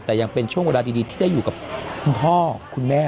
แต่ยังเป็นช่วงเวลาดีที่ได้อยู่กับคุณพ่อคุณแม่